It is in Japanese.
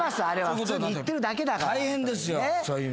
普通に言ってるだけだから。大変ですよ。